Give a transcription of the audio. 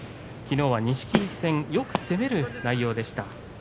きのうは錦木戦よく攻める内容でした。